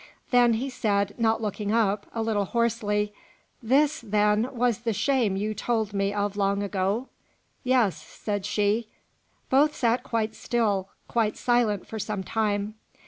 Then he said, not looking up, a little hoarsely, "This, then, was the shame you told me of long ago?" "Yes," said she. Both sat quite still; quite silent for some time.